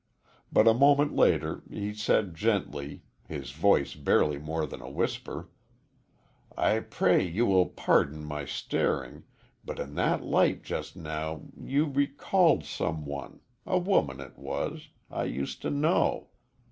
But a moment later he said gently, his voice barely more than a whisper: "I pray you will pardon my staring, but in that light just now you recalled some one a woman it was I used to know.